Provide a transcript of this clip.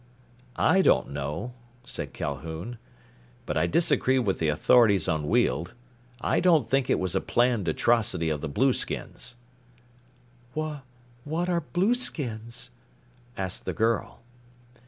"I don't know," said Calhoun. "But I disagree with the authorities on Weald. I don't think it was a planned atrocity of the blueskins." "Wh what are blueskins?" asked the girl.